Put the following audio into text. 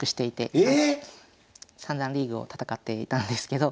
ええ⁉三段リーグを戦っていたんですけど。